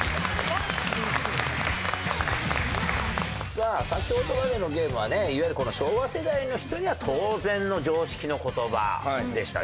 さあ先ほどまでのゲームはねいわゆる昭和世代の人には当然の常識の言葉でしたね。